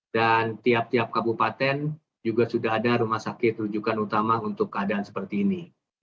dan tiap tiap kabupaten juga sudah ada rumah sakit rujukan utama untuk keadaan seperti ini